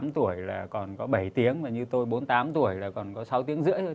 ba mươi tám tuổi là còn có bảy tiếng và như tôi bốn mươi tám tuổi là còn có sáu tiếng rưỡi thôi